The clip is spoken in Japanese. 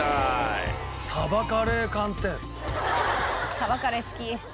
サバカレー好き。